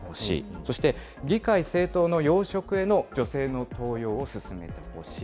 そして、議会・政党の要職への女性の登用を進めてほしい。